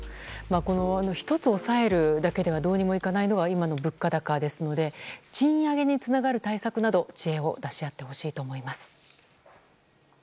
１つ抑えるだけではどうにもいかないのが今の物価高ですので賃上げにつながる対策など知恵を出し合ってほしいと思います。